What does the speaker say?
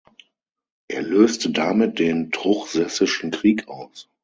Er löste damit den Truchsessischen Krieg aus.